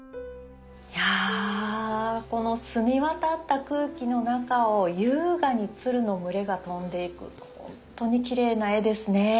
いやこの澄み渡った空気の中を優雅に鶴の群れが飛んでいくほんとにきれいな絵ですね。